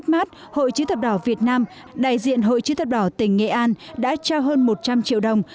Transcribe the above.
trước mắt hội chứa thập đỏ việt nam đại diện hội chứa thập đỏ tỉnh nghệ an đã trao hơn một trăm linh triệu đồng